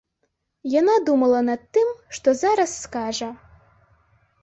Яна думала над тым, што зараз скажа.